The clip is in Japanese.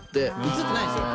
映ってないんですよ